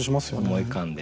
思い浮かんで。